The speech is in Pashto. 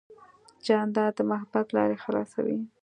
جانداد د محبت لارې خلاصوي.